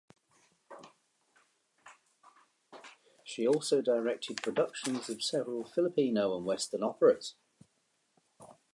She also directed productions of several Filipino and Western operas.